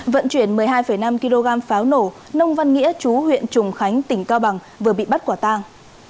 vận chuyển một mươi hai năm kg pháo nổ nông văn nghĩa chú huyện trùng khánh tỉnh cao bằng vừa bị bắt quả tang